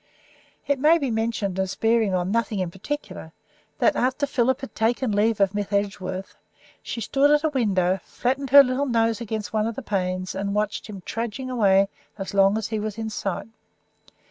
It may be mentioned as bearing on nothing in particular that, after Philip had taken leave of Miss Edgeworth, she stood at a window, flattened her little nose against one of the panes, and watched him trudging away as long as he was in sight.